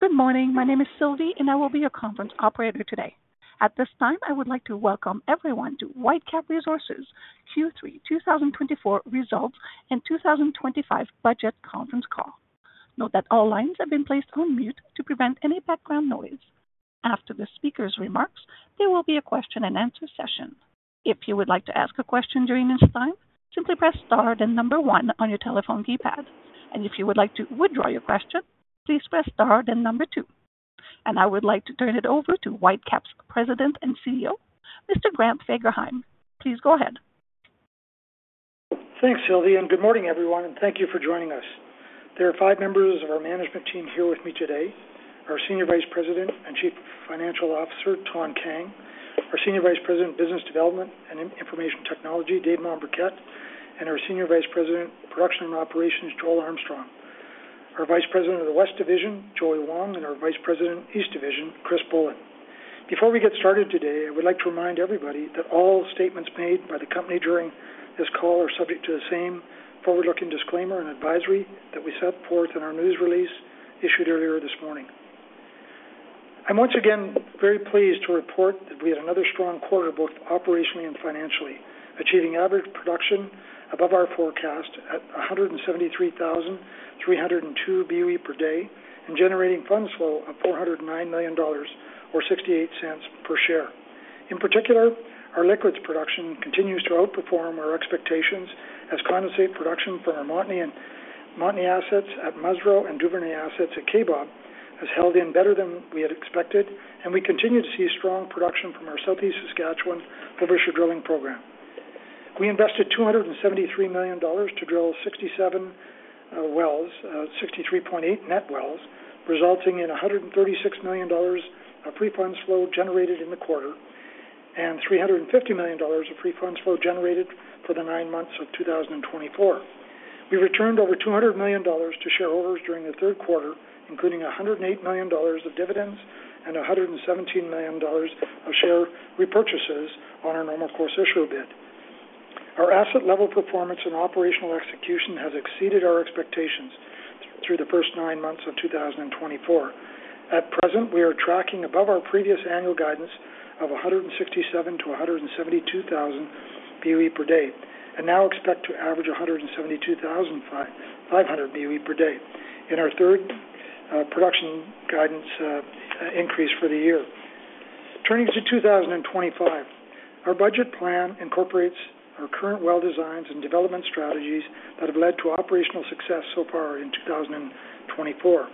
Good morning. My name is Sylvie, and I will be your conference operator today. At this time, I would like to welcome everyone to Whitecap Resources Q3 2024 Results and 2025 Budget Conference Call. Note that all lines have been placed on mute to prevent any background noise. After the speaker's remarks, there will be a question-and-answer session. If you would like to ask a question during this time, simply press star, then number one on your telephone keypad. If you would like to withdraw your question, please press star, then number two. I would like to turn it over to Whitecap's President and CEO, Mr. Grant Fagerheim. Please go ahead. Thanks, Sylvie, and good morning, everyone, and thank you for joining us. There are five members of our management team here with me today: Our Senior Vice President and Chief Financial Officer, Thanh Kang; our Senior Vice President, Business Development and Information Technology, Dave Mombourquette; and our Senior Vice President, Production and Operations, Joel Armstrong; our Vice President of the West Division, Joey Wong; and our Vice President, East Division, Chris Baldwin. Before we get started today, I would like to remind everybody that all statements made by the company during this call are subject to the same forward-looking disclaimer and advisory that we set forth in our news release issued earlier this morning. I'm once again very pleased to report that we had another strong quarter, both operationally and financially, achieving average production above our forecast at 173,302 BOE per day and generating funds flow of 409 million dollars or 0.68 per share. In particular, our liquids production continues to outperform our expectations as condensate production from our Montney assets at Musreau and Duvernay assets at Kaybob has held up better than we had expected, and we continue to see strong production from our Southeast Saskatchewan Frobisher drilling program. We invested 273 million dollars to drill 67 wells, 63.8 net wells, resulting in 136 million dollars of free funds flow generated in the quarter and 350 million dollars of free funds flow generated for the nine months of 2024. We returned over 200 million dollars to shareholders during the third quarter, including 108 million dollars of dividends and 117 million dollars of share repurchases on our Normal Course Issuer Bid. Our asset level performance and operational execution has exceeded our expectations through the first nine months of 2024. At present, we are tracking above our previous annual guidance of 167-172 thousand BOE per day, and now expect to average 172,500 BOE per day in our third production guidance increase for the year. Turning to 2025, our budget plan incorporates our current well designs and development strategies that have led to operational success so far in 2024.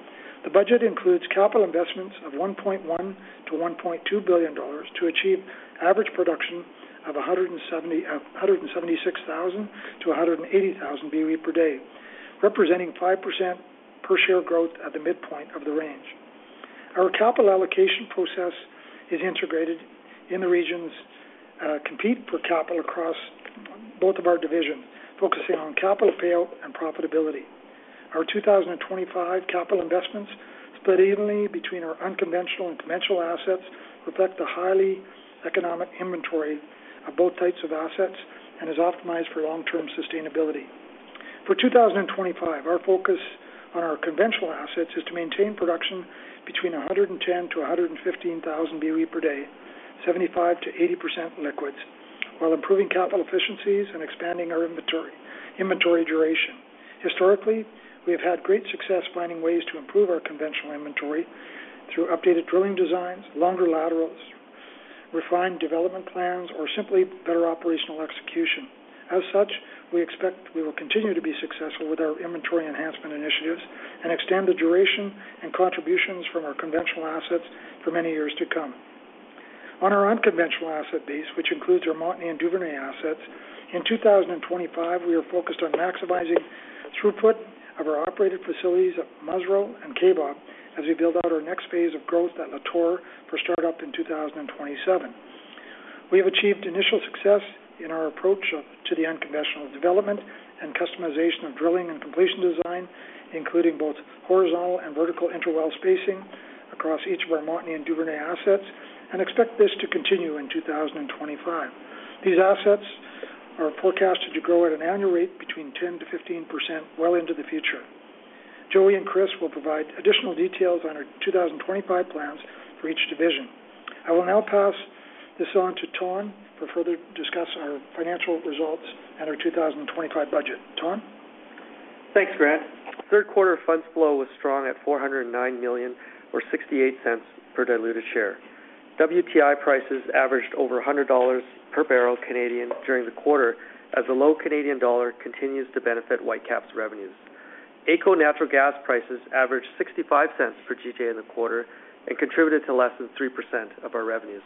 The budget includes capital investments of 1.1-1.2 billion dollars to achieve average production of 176,000-180,000 BOE per day, representing 5% per share growth at the midpoint of the range. Our capital allocation process is integrated in the regions, compete for capital across both of our divisions, focusing on capital payout and profitability. Our 2025 capital investments, split evenly between our unconventional and conventional assets, reflect the highly economic inventory of both types of assets and is optimized for long-term sustainability. For 2025, our focus on our conventional assets is to maintain production between 110 to 115 thousand BOE per day, 75% to 80% liquids, while improving capital efficiencies and expanding our inventory, inventory duration. Historically, we have had great success finding ways to improve our conventional inventory through updated drilling designs, longer laterals, refined development plans, or simply better operational execution. As such, we expect we will continue to be successful with our inventory enhancement initiatives and extend the duration and contributions from our conventional assets for many years to come. On our unconventional asset base, which includes our Montney and Duvernay assets, in 2025, we are focused on maximizing throughput of our operated facilities at Musreau and Kaybob as we build out our next phase of growth at Lator for startup in 2027. We have achieved initial success in our approach to the unconventional development and customization of drilling and completion design, including both horizontal and vertical inter-well spacing across each of our Montney and Duvernay assets, and expect this to continue in 2025. These assets are forecasted to grow at an annual rate between 10%-15% well into the future. Joey and Chris will provide additional details on our 2025 plans for each division. I will now pass this on to Thanh to further discuss our financial results and our 2025 budget. Thanh? Thanks, Grant. Third quarter funds flow was strong at 409 million or 0.68 per diluted share. WTI prices averaged over 100 dollars per barrel Canadian during the quarter, as the low Canadian dollar continues to benefit Whitecap's revenues. AECO natural gas prices averaged 0.65 per GJ in the quarter and contributed to less than 3% of our revenues.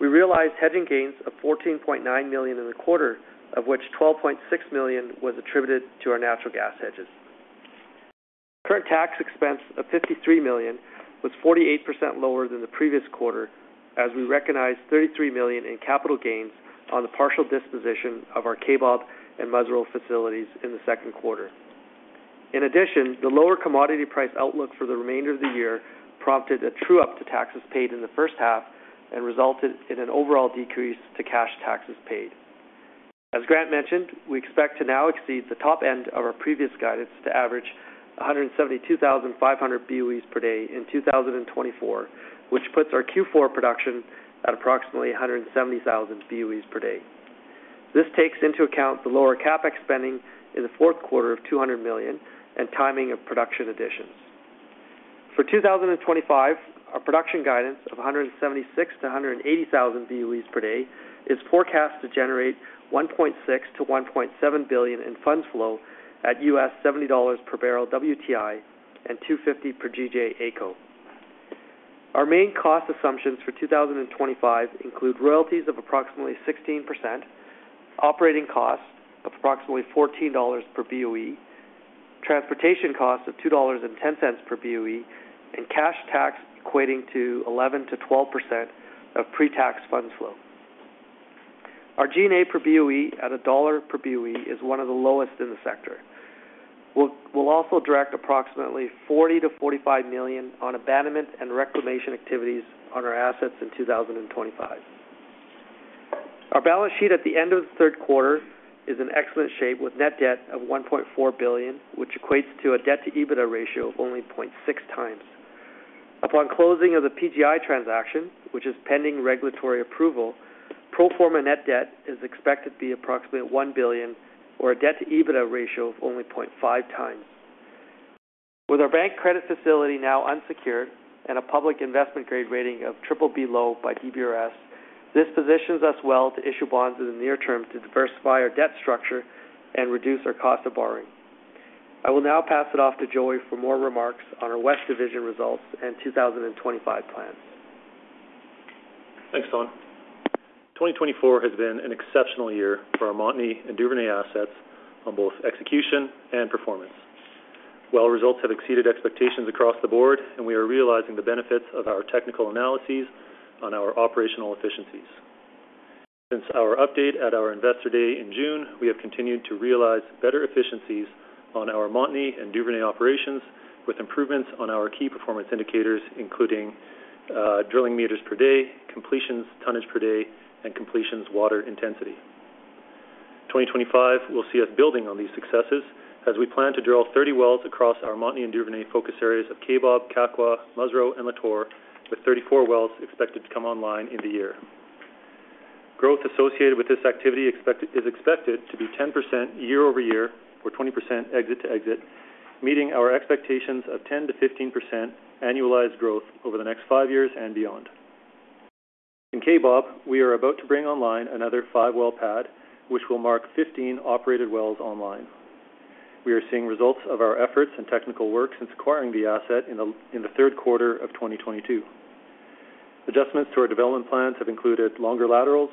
We realized hedging gains of 14.9 million in the quarter, of which 12.6 million was attributed to our natural gas hedges. Current tax expense of 53 million was 48% lower than the previous quarter, as we recognized 33 million in capital gains on the partial disposition of our Kaybob and Musreau facilities in the second quarter. In addition, the lower commodity price outlook for the remainder of the year prompted a true-up to taxes paid in the first half and resulted in an overall decrease to cash taxes paid. As Grant mentioned, we expect to now exceed the top end of our previous guidance to average 172,500 BOE/d in 2024, which puts our Q4 production at approximately 170,000 BOE/d. This takes into account the lower CapEx spending in the fourth quarter of 200 million and timing of production additions. For 2025, our production guidance of 176,000-180,000 BOE/d is forecast to generate 1.6 billion-1.7 billion in funds flow at $70 per barrel WTI, and 2.50 per GJ AECO. Our main cost assumptions for 2025 include royalties of approximately 16%, operating costs of approximately 14 dollars per BOE, transportation costs of 2.10 dollars per BOE, and cash tax equating to 11%-12% of pre-tax funds flow. Our G&A per BOE at CAD 1 per BOE is one of the lowest in the sector. We'll also direct approximately 40 million-45 million on abandonment and reclamation activities on our assets in 2025. Our balance sheet at the end of the third quarter is in excellent shape, with net debt of 1.4 billion, which equates to a debt-to-EBITDA ratio of only 0.6 times. Upon closing of the PGI transaction, which is pending regulatory approval, pro forma net debt is expected to be approximately 1 billion, or a debt-to-EBITDA ratio of only 0.5 times. With our bank credit facility now unsecured and a public investment grade rating of BBB low by DBRS, this positions us well to issue bonds in the near term to diversify our debt structure and reduce our cost of borrowing. I will now pass it off to Joey for more remarks on our West Division results and two thousand and twenty-five plans. Thanks, Thanh. Twenty-twenty-four has been an exceptional year for our Montney and Duvernay assets on both execution and performance. Well results have exceeded expectations across the board, and we are realizing the benefits of our technical analyses on our operational efficiencies. Since our update at our Investor Day in June, we have continued to realize better efficiencies on our Montney and Duvernay operations, with improvements on our key performance indicators, including drilling meters per day, completions tonnage per day, and completions water intensity. Twenty-twenty-five will see us building on these successes as we plan to drill thirty wells across our Montney and Duvernay focus areas of Kaybob, Kakwa, Musreau, and Lator, with thirty-four wells expected to come online in the year. Growth associated with this activity is expected to be 10% year over year or 20% exit to exit, meeting our expectations of 10%-15% annualized growth over the next five years and beyond. In Kaybob, we are about to bring online another five-well pad, which will mark 15 operated wells online. We are seeing results of our efforts and technical work since acquiring the asset in the third quarter of 2022. Adjustments to our development plans have included longer laterals,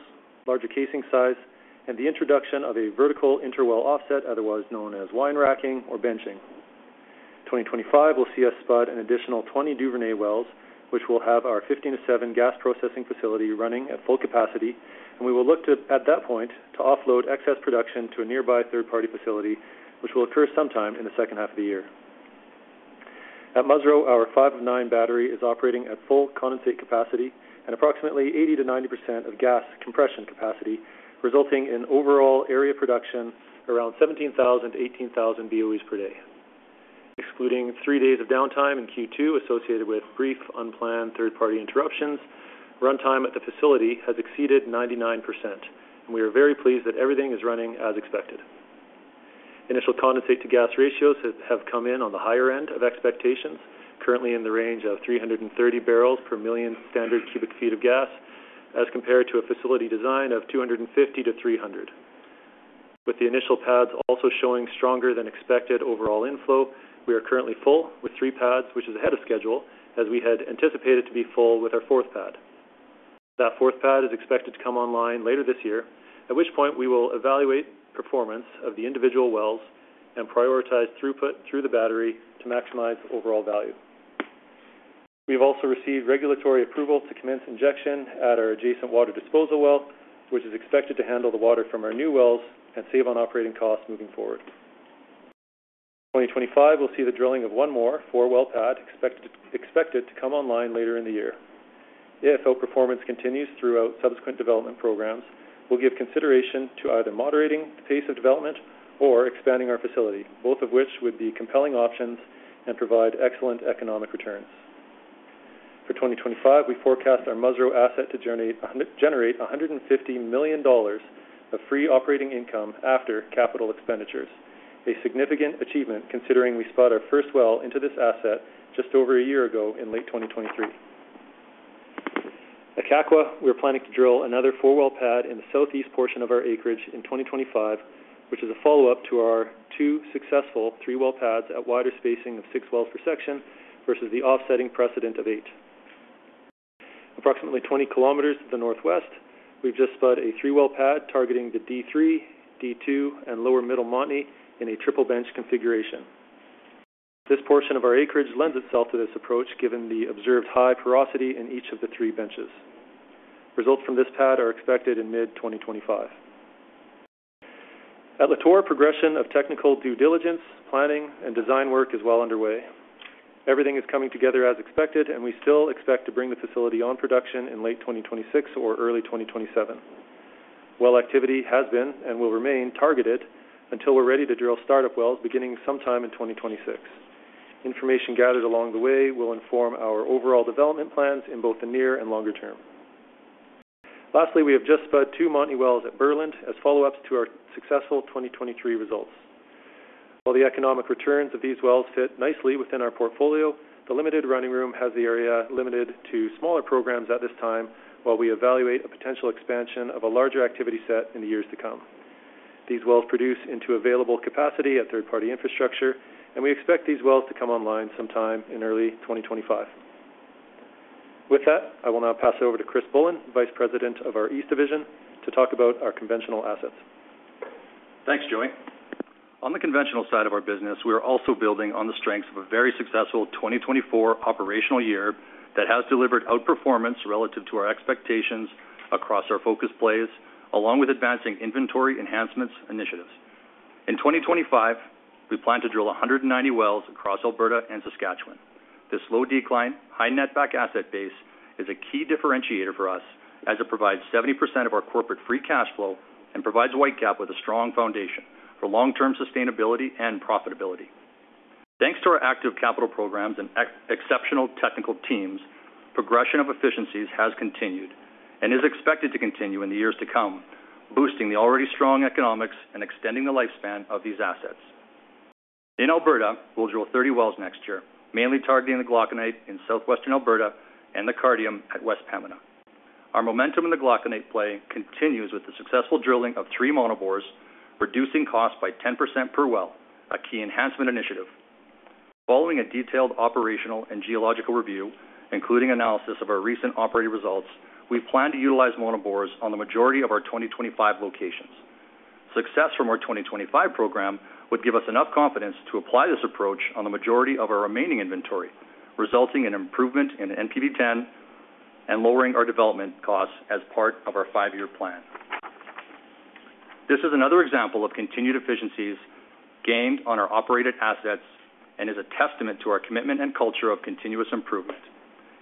larger casing size, and the introduction of a vertical interwell offset, otherwise known as wine racking or benching. 2025 will see us spud an additional 20 Duvernay wells, which will have our 15-7 gas processing facility running at full capacity, and we will look to, at that point, to offload excess production to a nearby third-party facility, which will occur sometime in the second half of the year. At Musreau, our 5-9 battery is operating at full condensate capacity and approximately 80%-90% of gas compression capacity, resulting in overall area production around 17,000-18,000 BOEs per day. Excluding three days of downtime in Q2 associated with brief, unplanned, third-party interruptions, runtime at the facility has exceeded 99%, and we are very pleased that everything is running as expected. Initial condensate to gas ratios have come in on the higher end of expectations, currently in the range of 330 barrels per million standard cubic feet of gas, as compared to a facility design of 250-300. With the initial pads also showing stronger than expected overall inflow, we are currently full with three pads, which is ahead of schedule, as we had anticipated to be full with our fourth pad. That fourth pad is expected to come online later this year, at which point we will evaluate performance of the individual wells and prioritize throughput through the battery to maximize overall value. We've also received regulatory approval to commence injection at our adjacent water disposal well, which is expected to handle the water from our new wells and save on operating costs moving forward. 2025 will see the drilling of one more four-well pad, expected to come online later in the year. If our performance continues throughout subsequent development programs, we'll give consideration to either moderating the pace of development or expanding our facility, both of which would be compelling options and provide excellent economic returns. For 2025, we forecast our Musreau asset to generate 150 million dollars of free operating income after capital expenditures, a significant achievement considering we spud our first well into this asset just over a year ago in late 2023. At Kakwa, we're planning to drill another four-well pad in the southeast portion of our acreage in 2025, which is a follow-up to our two successful three-well pads at wider spacing of six wells per section versus the offsetting precedent of eight. Approximately 20 kilometers to the northwest, we've just spud a three-well pad targeting the D3, D2, and lower middle Montney in a triple bench configuration. This portion of our acreage lends itself to this approach, given the observed high porosity in each of the three benches. Results from this pad are expected in mid-2025. At Lator, progression of technical due diligence, planning, and design work is well underway. Everything is coming together as expected, and we still expect to bring the facility on production in late 2026 or early 2027. Activity has been and will remain targeted until we're ready to drill startup wells, beginning sometime in 2026. Information gathered along the way will inform our overall development plans in both the near and longer term. Lastly, we have just spud two Montney wells at Berland as follow-ups to our successful 2023 results. While the economic returns of these wells fit nicely within our portfolio, the limited running room has the area limited to smaller programs at this time, while we evaluate a potential expansion of a larger activity set in the years to come. These wells produce into available capacity at third-party infrastructure, and we expect these wells to come online sometime in early twenty twenty-five. With that, I will now pass it over to Chris Baldwin, Vice President of our East Division, to talk about our conventional assets. Thanks, Joey. On the conventional side of our business, we are also building on the strengths of a very successful 2024 operational year that has delivered outperformance relative to our expectations across our focus plays, along with advancing inventory enhancements initiatives. In 2025, we plan to drill 190 wells across Alberta and Saskatchewan. This low-decline, high-netback asset base is a key differentiator for us as it provides 70% of our corporate free cash flow and provides Whitecap with a strong foundation for long-term sustainability and profitability. Thanks to our active capital programs and exceptional technical teams, progression of efficiencies has continued and is expected to continue in the years to come, boosting the already strong economics and extending the lifespan of these assets. In Alberta, we'll drill 30 wells next year, mainly targeting the Glauconite in southwestern Alberta and the Cardium at West Pembina. Our momentum in the Glauconite play continues with the successful drilling of three monobores, reducing costs by 10% per well, a key enhancement initiative. Following a detailed operational and geological review, including analysis of our recent operating results, we plan to utilize monobores on the majority of our 2025 locations. Success from our 2025 program would give us enough confidence to apply this approach on the majority of our remaining inventory, resulting in improvement in NPV10 and lowering our development costs as part of our five-year plan. This is another example of continued efficiencies gained on our operated assets and is a testament to our commitment and culture of continuous improvement.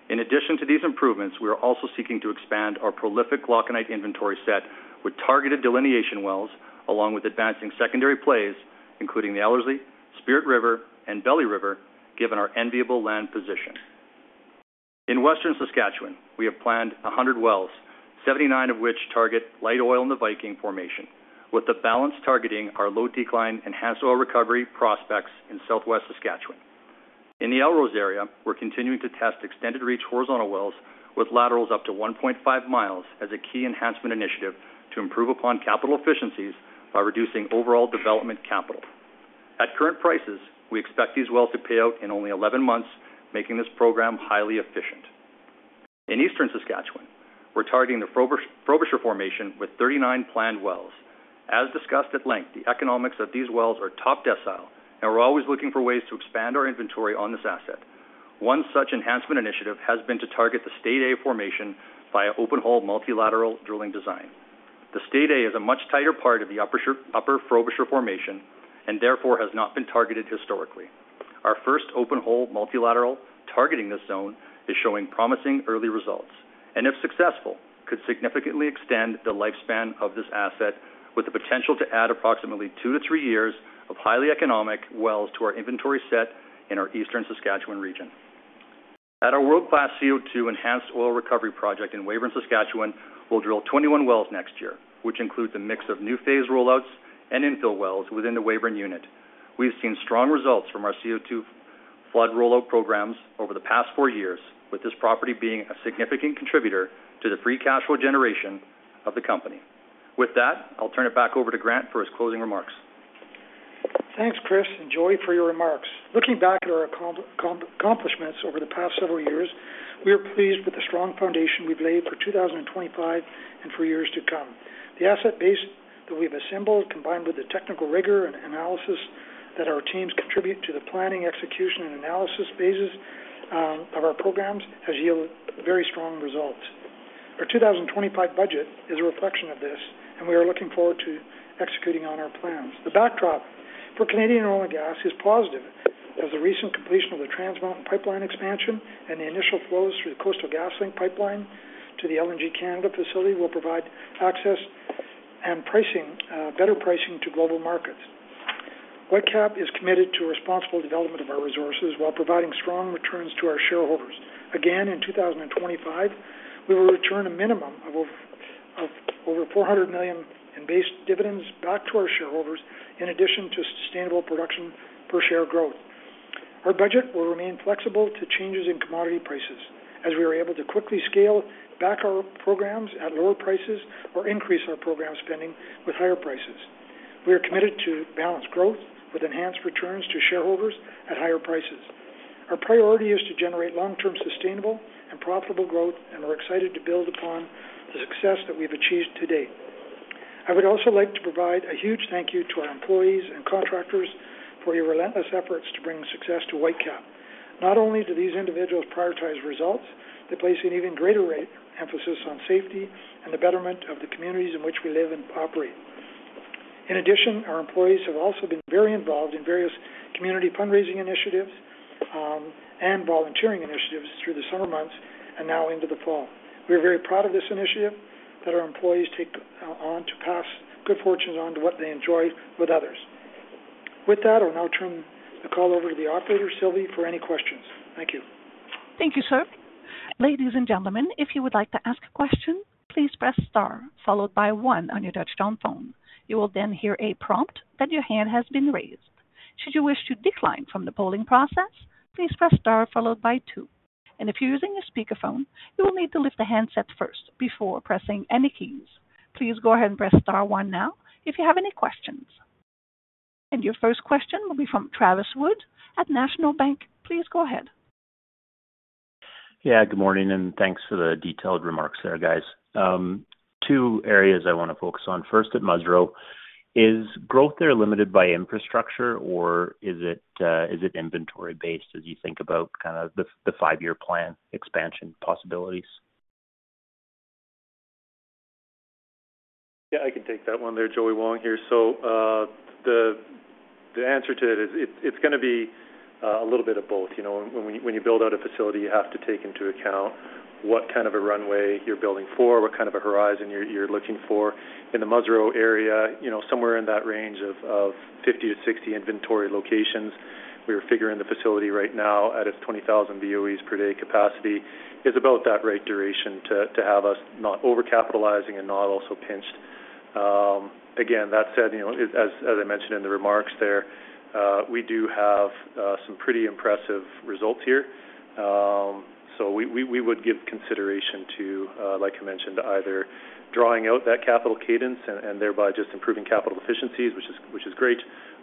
In addition to these improvements, we are also seeking to expand our prolific Glauconite inventory set with targeted delineation wells, along with advancing secondary plays, including the Ellerslie, Spirit River, and Belly River, given our enviable land position. In Western Saskatchewan, we have planned 100 wells, 79 of which target light oil in the Viking Formation, with the balance targeting our low-decline, enhanced oil recovery prospects in Southwest Saskatchewan. In the Elrose area, we're continuing to test extended-reach horizontal wells with laterals up to 1.5 miles as a key enhancement initiative to improve upon capital efficiencies by reducing overall development capital. At current prices, we expect these wells to pay out in only 11 months, making this program highly efficient. In Eastern Saskatchewan, we're targeting the Frobisher Formation with 39 planned wells. As discussed at length, the economics of these wells are top decile, and we're always looking for ways to expand our inventory on this asset. One such enhancement initiative has been to target the State A formation by open-hole multilateral drilling design. The State A is a much tighter part of the Upper Frobisher Formation and therefore has not been targeted historically. Our first open-hole multilateral, targeting this zone, is showing promising early results, and if successful, could significantly extend the lifespan of this asset, with the potential to add approximately two to three years of highly economic wells to our inventory set in our Eastern Saskatchewan region. At our world-class CO2 enhanced oil recovery project in Weyburn, Saskatchewan, we'll drill 21 wells next year, which includes a mix of new phase rollouts and infill wells within the Weyburn unit. We've seen strong results from our CO2 flood rollout programs over the past four years, with this property being a significant contributor to the free cash flow generation of the company. With that, I'll turn it back over to Grant for his closing remarks. Thanks, Chris and Joey, for your remarks. Looking back at our accomplishments over the past several years, we are pleased with the strong foundation we've laid for two thousand and twenty-five and for years to come. The asset base that we've assembled, combined with the technical rigor and analysis that our teams contribute to the planning, execution, and analysis phases of our programs, has yielded very strong results. Our two thousand and twenty-five budget is a reflection of this, and we are looking forward to executing on our plans. The backdrop for Canadian oil and gas is positive, as the recent completion of the Trans Mountain pipeline expansion and the initial flows through the Coastal GasLink pipeline to the LNG Canada facility will provide access and pricing, better pricing to global markets. Whitecap is committed to responsible development of our resources while providing strong returns to our shareholders. Again, in two thousand and twenty-five, we will return a minimum of over 400 million in base dividends back to our shareholders, in addition to sustainable production per share growth. Our budget will remain flexible to changes in commodity prices, as we are able to quickly scale back our programs at lower prices or increase our program spending with higher prices. We are committed to balanced growth with enhanced returns to shareholders at higher prices. Our priority is to generate long-term, sustainable, and profitable growth, and we're excited to build upon the success that we've achieved to date. I would also like to provide a huge thank you to our employees and contractors for your relentless efforts to bring success to Whitecap.... Not only do these individuals prioritize results, they place an even greater rate emphasis on safety and the betterment of the communities in which we live and operate. In addition, our employees have also been very involved in various community fundraising initiatives, and volunteering initiatives through the summer months and now into the fall. We are very proud of this initiative that our employees take on to pass good fortunes on to what they enjoy with others. With that, I'll now turn the call over to the operator, Sylvie, for any questions. Thank you. Thank you, sir. Ladies and gentlemen, if you would like to ask a question, please press star, followed by one on your touchtone phone. You will then hear a prompt that your hand has been raised. Should you wish to decline from the polling process, please press star followed by two, and if you're using a speakerphone, you will need to lift the handset first before pressing any keys. Please go ahead and press star one now if you have any questions. And your first question will be from Travis Wood at National Bank Financial. Please go ahead. Yeah, good morning, and thanks for the detailed remarks there, guys. Two areas I want to focus on. First, at Musreau, is growth there limited by infrastructure, or is it inventory-based as you think about kind of the five-year plan expansion possibilities? Yeah, I can take that one there. Joey Wong here. So, the answer to it is, it's gonna be a little bit of both. You know, when you build out a facility, you have to take into account what kind of a runway you're building for, what kind of a horizon you're looking for. In the Musreau area, you know, somewhere in that range of 50-60 inventory locations. We were figuring the facility right now at its 20,000 BOEs per day capacity is about that right duration to have us not overcapitalizing and not also pinched. Again, that said, you know, as I mentioned in the remarks there, we do have some pretty impressive results here. So we would give consideration to, like you mentioned, either drawing out that capital cadence and thereby just improving capital efficiencies, which is great,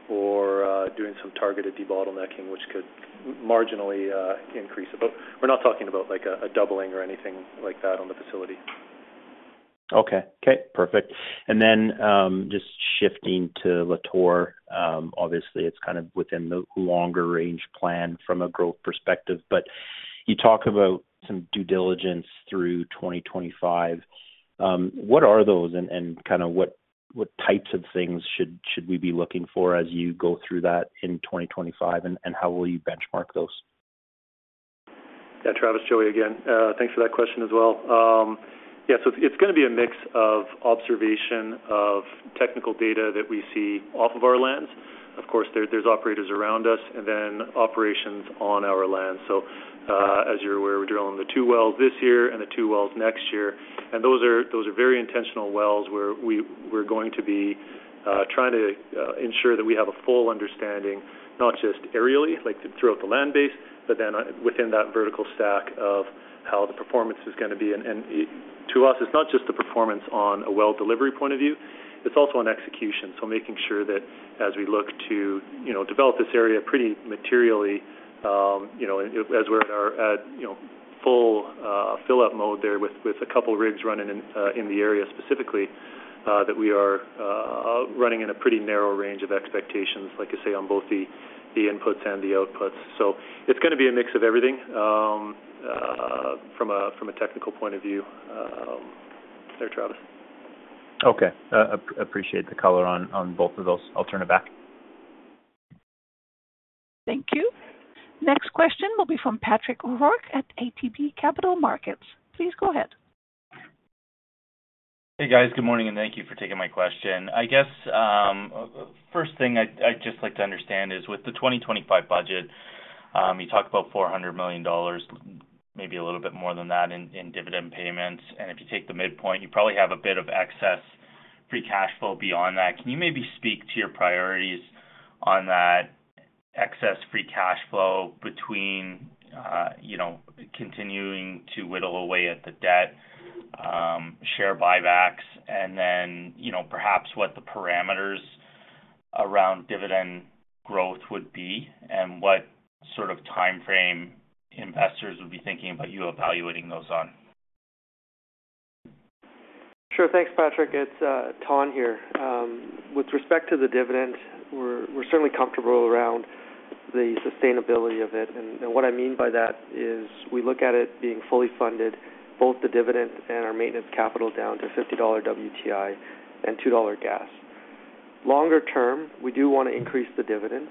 or doing some targeted debottlenecking, which could marginally increase it. But we're not talking about like a doubling or anything like that on the facility. Okay. Okay, perfect. And then, just shifting to Lator, obviously, it's kind of within the longer range plan from a growth perspective, but you talk about some due diligence through twenty twenty-five. What are those and kind of what types of things should we be looking for as you go through that in twenty twenty-five, and how will you benchmark those? Yeah, Travis, Joey again. Thanks for that question as well. Yeah, so it's, it's gonna be a mix of observation of technical data that we see off of our lands. Of course, there, there's operators around us and then operations on our land. So, as you're aware, we're drilling the two wells this year and the two wells next year, and those are very intentional wells where we're going to be trying to ensure that we have a full understanding, not just areally, like, throughout the land base, but then within that vertical stack of how the performance is gonna be. And it to us, it's not just the performance on a well deliverability point of view, it's also on execution. So making sure that as we look to, you know, develop this area pretty materially, you know, as we're at our full fill-up mode there with a couple of rigs running in the area specifically, that we are running in a pretty narrow range of expectations, like I say, on both the inputs and the outputs. So it's gonna be a mix of everything, from a technical point of view, there, Travis. Okay. Appreciate the color on both of those. I'll turn it back. Thank you. Next question will be from Patrick O'Rourke at ATB Capital Markets. Please go ahead. Hey, guys. Good morning, and thank you for taking my question. I guess, first thing I'd just like to understand is with the 2025 budget, you talked about 400 million dollars, maybe a little bit more than that in dividend payments. And if you take the midpoint, you probably have a bit of excess free cash flow beyond that. Can you maybe speak to your priorities on that excess free cash flow between, you know, continuing to whittle away at the debt, share buybacks, and then, you know, perhaps what the parameters around dividend growth would be and what sort of timeframe investors would be thinking about you evaluating those on? Sure. Thanks, Patrick. It's Thanh here. With respect to the dividend, we're certainly comfortable around the sustainability of it. And what I mean by that is we look at it being fully funded, both the dividend and our maintenance capital, down to $50 WTI and 2 dollar gas. Longer term, we do want to increase the dividend,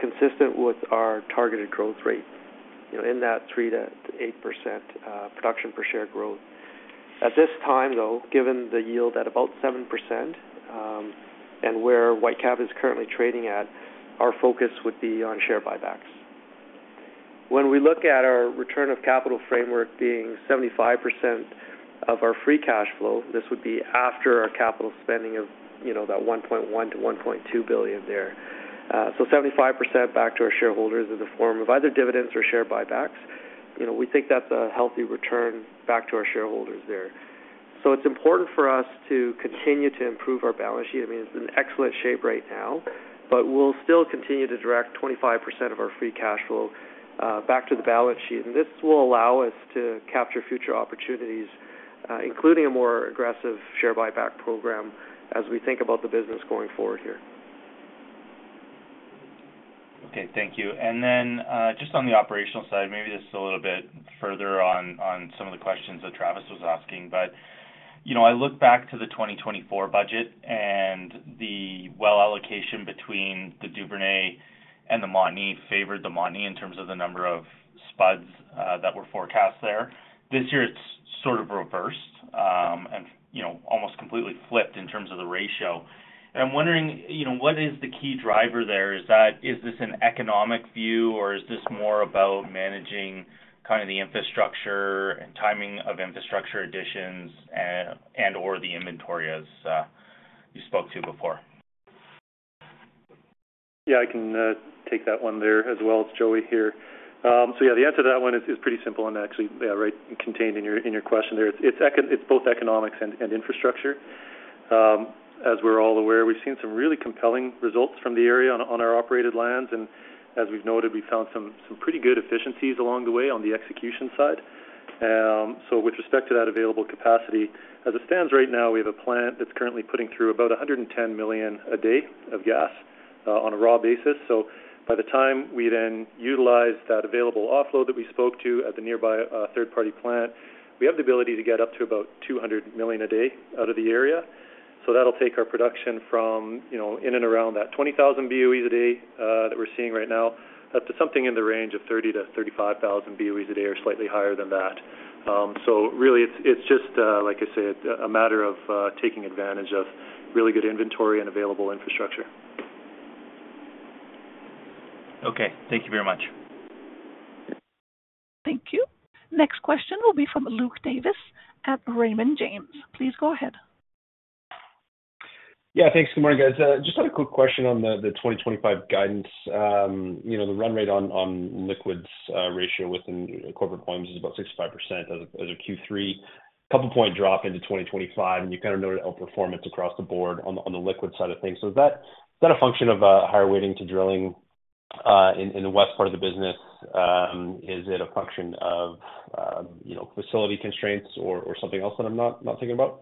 consistent with our targeted growth rate, you know, in that 3%-8%, production per share growth. At this time, though, given the yield at about 7%, and where Whitecap is currently trading at, our focus would be on share buybacks. When we look at our return of capital framework being 75% of our free cash flow, this would be after our capital spending of, you know, that 1.1-1.2 billion there. So 75% back to our shareholders in the form of either dividends or share buybacks, you know, we think that's a healthy return back to our shareholders there. So it's important for us to continue to improve our balance sheet. I mean, it's in excellent shape right now, but we'll still continue to direct 25% of our free cash flow back to the balance sheet. And this will allow us to capture future opportunities, including a more aggressive share buyback program as we think about the business going forward here. Okay, thank you. And then, just on the operational side, maybe just a little bit further on, on some of the questions that Travis was asking. But, you know, I look back to the twenty twenty-four budget and the well allocation between the Duvernay and the Montney favored the Montney in terms of the number of spuds, that were forecast there. This year, it's sort of reversed, and, you know, almost completely flipped in terms of the ratio. And I'm wondering, you know, what is the key driver there? Is that... Is this an economic view, or is this more about managing kind of the infrastructure and timing of infrastructure additions and, and/or the inventory as, you spoke to before? Yeah, I can take that one there as well. It's Joey here. So yeah, the answer to that one is pretty simple and actually, yeah, right, contained in your question there. It's both economics and infrastructure. As we're all aware, we've seen some really compelling results from the area on our operated lands, and as we've noted, we found some pretty good efficiencies along the way on the execution side. So with respect to that available capacity, as it stands right now, we have a plant that's currently putting through about 110 million a day of gas on a raw basis. So by the time we then utilize that available offload that we spoke to at the nearby, third-party plant, we have the ability to get up to about 200 million a day out of the area. So that'll take our production from, you know, in and around that 20,000 BOEs a day, that we're seeing right now, up to something in the range of 30,000-35,000 BOEs a day or slightly higher than that. So really, it's, it's just, like I said, a matter of taking advantage of really good inventory and available infrastructure. Okay. Thank you very much. Thank you. Next question will be from Luke Davis at Raymond James. Please go ahead. Yeah, thanks. Good morning, guys. Just had a quick question on the 2025 guidance. You know, the run rate on liquids ratio within corporate volumes is about 65% as of Q3, couple point drop into 2025, and you kind of noted outperformance across the board on the liquid side of things. So is that a function of higher weighting to drilling in the west part of the business? Is it a function of you know, facility constraints or something else that I'm not thinking about?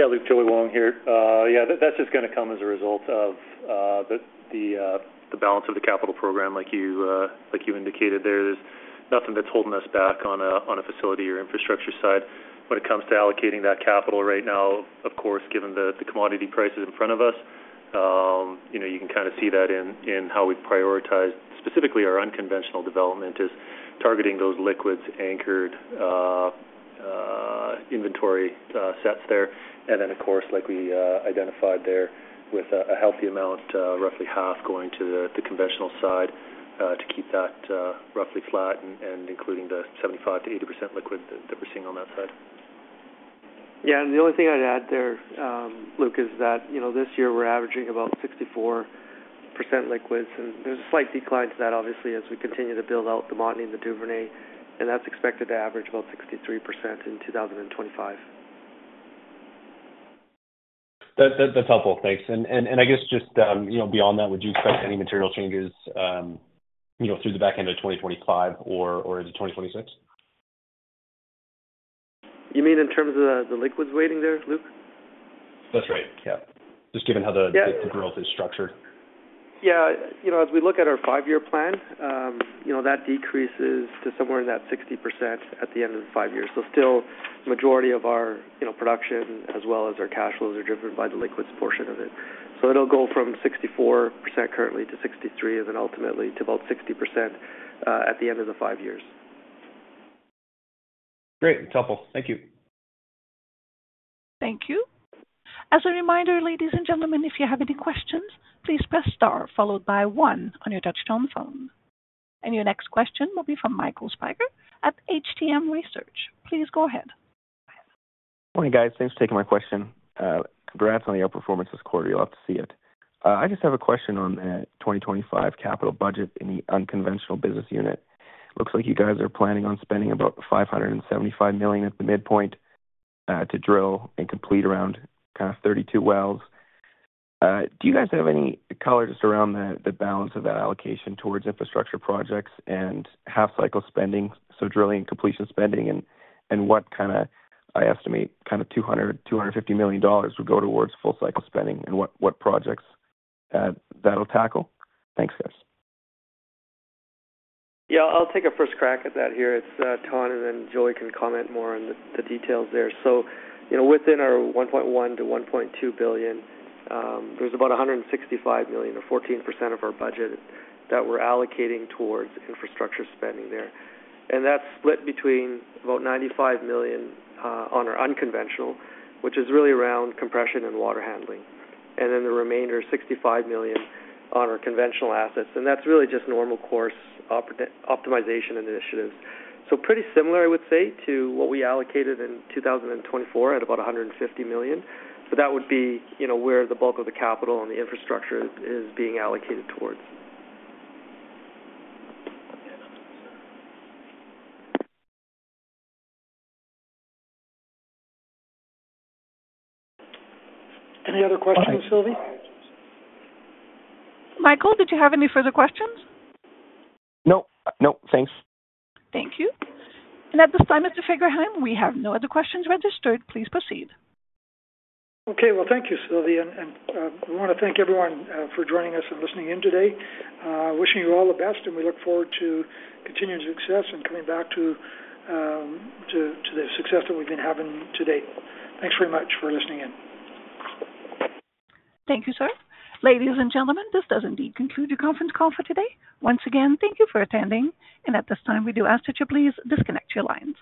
Yeah, Luke, Joey Wong here. Yeah, that's just gonna come as a result of the balance of the capital program like you indicated there. There's nothing that's holding us back on a facility or infrastructure side when it comes to allocating that capital right now. Of course, given the commodity prices in front of us, you know, you can kind of see that in how we prioritize, specifically our unconventional development, is targeting those liquids-anchored inventory sets there. And then, of course, like we identified there with a healthy amount, roughly half going to the conventional side, to keep that roughly flat and including the 75%-80% liquid that we're seeing on that side. Yeah, and the only thing I'd add there, Luke, is that, you know, this year we're averaging about 64% liquids, and there's a slight decline to that, obviously, as we continue to build out the Montney and the Duvernay, and that's expected to average about 63% in 2025. That, that's helpful. Thanks. And I guess just, you know, beyond that, would you expect any material changes, you know, through the back end of twenty twenty-five or into twenty twenty-six? You mean in terms of the liquids weighting there, Luke? That's right, yeah. Just given how the- Yeah. The growth is structured. Yeah. You know, as we look at our five-year plan, you know, that decreases to somewhere in that 60% at the end of the five years. So still majority of our, you know, production as well as our cash flows are driven by the liquids portion of it. So it'll go from 64% currently to 63%, and then ultimately to about 60% at the end of the five years. Great. It's helpful. Thank you. Thank you. As a reminder, ladies and gentlemen, if you have any questions, please press star followed by one on your touchtone phone. And your next question will be from Michael Stiger at CIBC Global Markets. Please go ahead. Morning, guys. Thanks for taking my question. Congrats on the outperformance this quarter. You'll have to see it. I just have a question on 2025 capital budget in the unconventional business unit. Looks like you guys are planning on spending about 575 million at the midpoint to drill and complete around kind of 32 wells. Do you guys have any color just around the balance of that allocation towards infrastructure projects and half-cycle spending, so drilling and completion spending? And what kind of, I estimate, kind of 250 million dollars would go towards full cycle spending, and what projects that'll tackle? Thanks, guys. Yeah, I'll take a first crack at that here. It's Todd, and then Joey can comment more on the details there. So, you know, within our 1.1-1.2 billion, there's about 165 million, or 14% of our budget, that we're allocating towards infrastructure spending there. And that's split between about 95 million on our unconventional, which is really around compression and water handling, and then the remainder, 65 million, on our conventional assets, and that's really just normal course optimization initiatives. So pretty similar, I would say, to what we allocated in 2024 at about 150 million. So that would be, you know, where the bulk of the capital and the infrastructure is being allocated towards. Any other questions, Sylvie? Michael, did you have any further questions? No. No, thanks. Thank you. At this time, Mr. Fagerheim, we have no other questions registered. Please proceed. Okay. Well, thank you, Sylvie, and we wanna thank everyone for joining us and listening in today. Wishing you all the best, and we look forward to continued success and coming back to the success that we've been having to date. Thanks very much for listening in. Thank you, sir. Ladies and gentlemen, this does indeed conclude the conference call for today. Once again, thank you for attending, and at this time, we do ask that you please disconnect your lines.